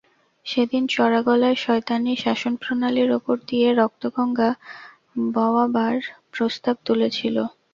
সেদিন চড়া গলায় শয়তানি শাসনপ্রণালীর উপর দিয়ে রক্তগঙ্গা বওয়াবার প্রস্তাব তুলেছিল।